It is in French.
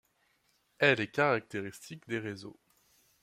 Elle est caractéristique des réseaux.